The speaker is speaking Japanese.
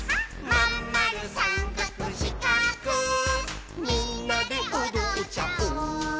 「まんまるさんかくしかくみんなでおどっちゃおう」